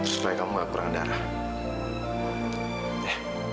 supaya kamu gak kurang darah